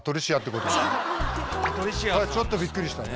これちょっとびっくりしたね。